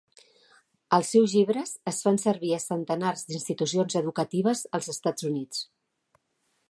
Els seus llibres es fan servir a centenars d'institucions educatives als Estats Units.